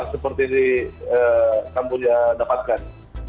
seperti ini kamboja dapatkan